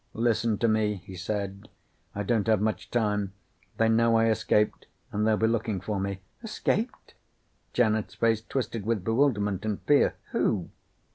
"Listen to me," he said. "I don't have much time. They know I escaped and they'll be looking for me." "Escaped?" Janet's face twisted with bewilderment and fear. "Who?"